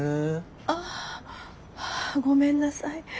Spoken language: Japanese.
あっごめんなさい。